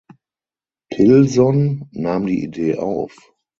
Pilson nahm die Idee auf.